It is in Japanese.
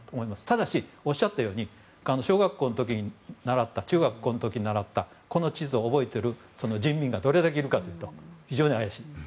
ただし、おっしゃったように小学校の時に習った中学校の時に習ったこの地図を覚えている人民がどれだけいるかというと非常に怪しいです。